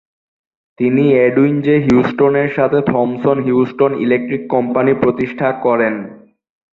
তিনি Edwin J Houston এর সাথে থমসন-হিউস্টন ইলেক্ট্রিক কোম্পানি প্রতিষ্ঠা করেন।